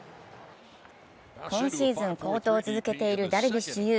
今シーズン好投を続けているダルビッシュ有。